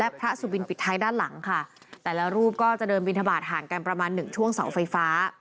พระสุบินปิดท้ายด้านหลังค่ะแต่ละรูปก็จะเดินบินทบาทห่างกันประมาณหนึ่งช่วงเสาไฟฟ้า